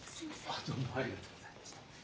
あっどうもありがとうございました。